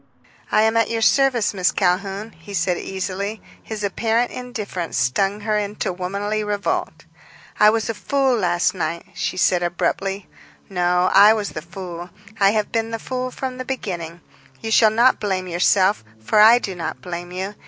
"I am at your service, Miss Calhoun," he said easily. His apparent indifference stung her into womanly revolt. "I was a fool last night," she said abruptly. "No; I was the fool. I have been the fool from the beginning. You shall not blame yourself, for I do not blame you.